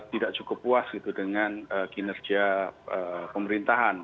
tidak cukup puas gitu dengan kinerja pemerintahan